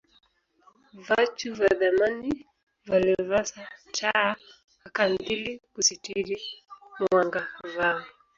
Vachu va dhamani valivasa taa a kandhili kusitiri muanga vao